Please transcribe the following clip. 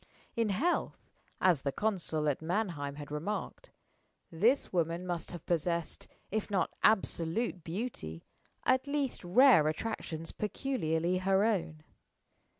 In health (as the consul at Mannheim had remarked) this woman must have possessed, if not absolute beauty, at least rare attractions peculiarly her own.